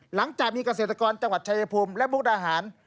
หลังจากมีเกษตรกรจังหวัดชายภูมิและมุกดาหาร